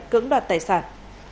cưỡng đoạt tài sản